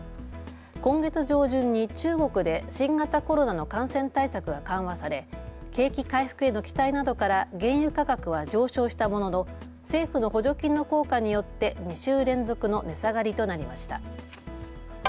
今月上旬に中国で新型コロナの感染対策が緩和され、景気回復への期待などから原油価格は上昇したものの政府の補助金の効果によって２週連続の値下がりとなりました。